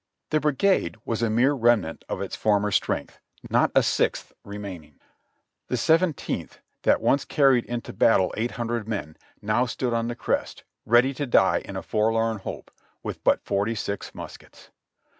The brigade was a mere remnant of its former strength, not a sixth remaining. The Seventeenth, that once carried into bat tle eight hundred men, now stood on the crest, ready to die in a forlorn hope, with but forty six muskets.